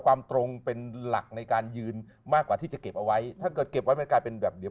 ความตรงเป็นหลักในการยืนมากกว่าที่จะเก็บเอาไว้เดี๋ยว